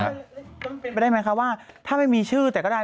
มันเป็นไปได้ไหมคะว่าถ้าไม่มีชื่อแต่ก็ได้